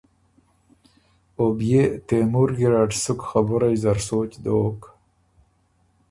او بيې تېمُور ګیرډ سُک خبُرئ زر سوچ دوک۔